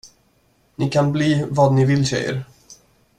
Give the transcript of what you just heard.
Ni kan bli vad ni vill, tjejer.